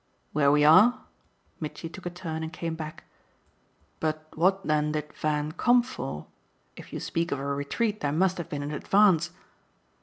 "Where we are?" Mitchy took a turn and came back. "But what then did Van come for? If you speak of a retreat there must have been an advance."